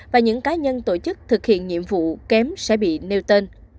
và những cá nhân tổ chức thực hiện nhiệm vụ kém sẽ bị nêu tên